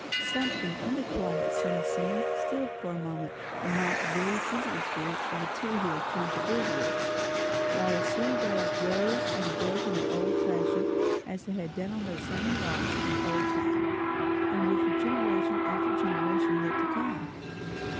Something in the quiet, sunny scene stilled for a moment the not very sensitive spirits of the two who had come to visit it; while the sea waves rose and broke in their old fashion, as they had done on those same rocks in old time, and would do for generation after generation yet to come.